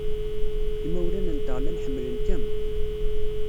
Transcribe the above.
Imawlan-nteɣ llan ḥemmlen-kem.